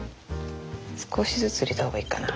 少しずつ入れたほうがいいかな。